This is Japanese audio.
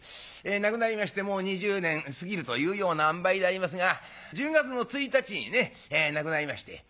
亡くなりましてもう２０年過ぎるというようなあんばいでありますが１０月の１日にね亡くなりまして。